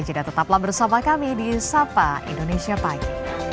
jeda tetaplah bersama kami di sapa indonesia pagi